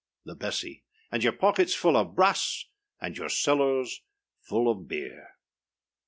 The Bessy. And your pockets full of brass, And your cellars full of beer!